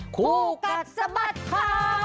คู่กันสบัติค่ะ